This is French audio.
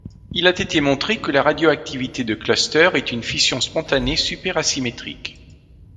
Il a été montré que la radioactivité de clusters est une fission spontanée super-asymétrique.